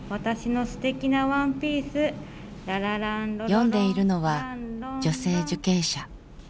読んでいるのは女性受刑者。